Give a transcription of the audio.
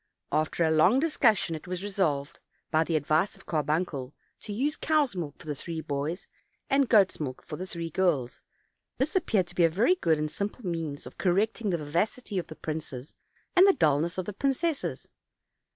After a long discussion it was resolved, by the advice of Carbuncle, to use cows' milk for the three boys, and goats' milk for the three girls: this appeared to be a very good and simple means of correcting the vivacity of the princes, and the dullness of the princesses.